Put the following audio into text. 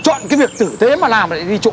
chọn cái việc tử tế mà làm lại đi trộm chó